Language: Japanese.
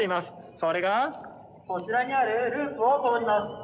それがこちらにあるループを通ります。